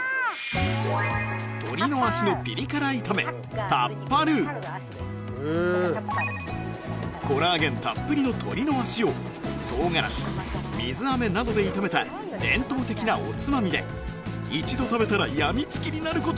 鶏の足のピリ辛炒めコラーゲンたっぷりの鶏の足を唐辛子水飴などで炒めた伝統的なおつまみで一度食べたらやみつきになる事間違いなし